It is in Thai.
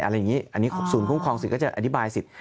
อันนี้ศูนย์คุ้มครองสิทธิ์ก็จะอธิบายสิทธิ์